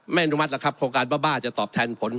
อนุมัติแล้วครับโครงการบ้าบ้าจะตอบแทนผล